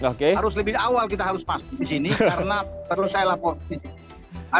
harus lebih awal kita harus masuk di sini karena perlu saya laporkan